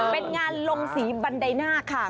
เป็นงานลงสีบันไดหน้าค่ะ